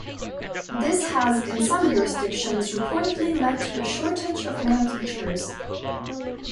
This has in some jurisdictions reportedly led to a shortage of male teachers.